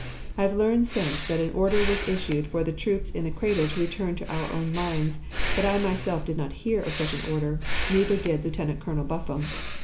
I have learned since that an order was issued for the troops in the crater to return to our own lines, but I myself did not hear of such an order, neither did Lieutenant Colonel Buffum.